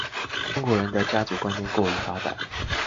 中國人的家族觀念過於發達